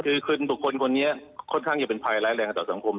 คือคุณทุกคนต์คนนี้ค่อนข้างจะเป็นภายเร้นแต่าสัมพมค์